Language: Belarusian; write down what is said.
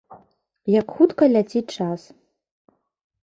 Як хутка ляціць час.